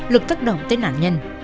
lực tác động tới nạn nhân